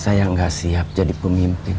saya nggak siap jadi pemimpin